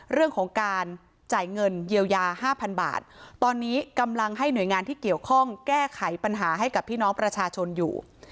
เรื่องของการจ่ายเงินเยียวยาห้าพันบาทตอนนี้กำลังให้หน่วยงานที่เกี่ยวข้องแก้ไขปัญหาให้กับพี่น้องประชาชนอยู่